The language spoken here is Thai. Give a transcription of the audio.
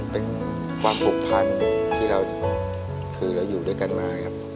เป็นความผูกพันที่เราคือเราอยู่ด้วยกันมาครับ